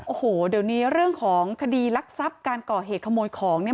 โอ้โหเดี๋ยวนี้เรื่องของคดีรักทรัพย์การก่อเหตุขโมยของเนี่ย